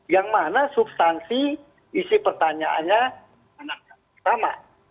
yang mana substansi isi pertanyaannya sama